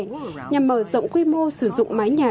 nhằm mở rộng quy mô sử dụng mái nhà